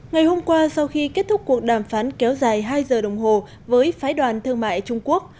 ngày hôm qua sau khi kết thúc cuộc đàm phán kéo dài hai giờ đồng hồ với phái đoàn thương mại trung quốc